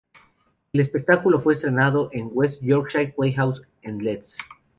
El espectáculo fue estrenado en West Yorkshire Playhouse en Leeds.